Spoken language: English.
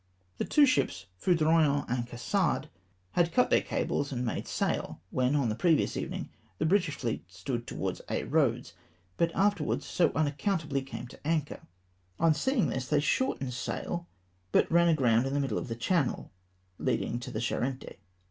The two sliips Foudroyant and Cassard, had cut their cables and made sail, when on the previous evening the British fleet stood towards Aix Eoads, but afterwards so unaccountably came to an anchor. On seeing this they shortened sail, but rim aground in the middle of the channel leading to the Charente.